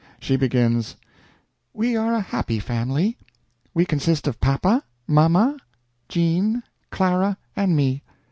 She begins: "We are a happy family! We consist of Papa, Mama, Jean, Clara, and me.